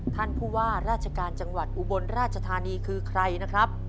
ท่านผู้ว่าราชการจังหวัดอุบลราชธานีคือใครนะครับ